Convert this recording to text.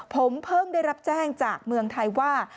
ผมเพิ่งได้รับแจ้งจากเมืองไทยว่า